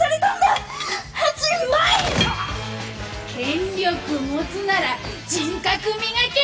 権力持つなら人格磨け！